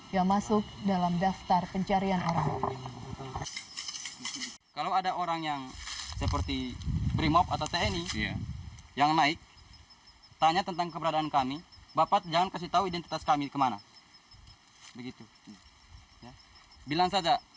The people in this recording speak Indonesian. yang masuk dalam daftar pencarian orang saja